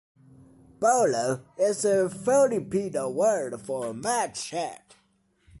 "Bolo" is a Filipino word for machete.